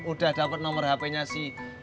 udah dapet nomor hpnya si